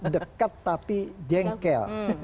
dekat tapi jengkel